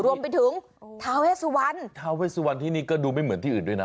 รวมไปถึงทาเวสวันทาเวสวันที่นี่ก็ดูไม่เหมือนที่อื่นด้วยนะ